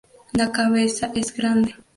La cabeza es grande.